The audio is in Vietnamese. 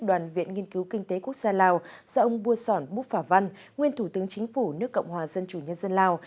đoàn viện nghiên cứu kinh tế quốc gia lào do ông bua sòn búc phả văn nguyên thủ tướng chính phủ nước cộng hòa dân chủ nhân dân lào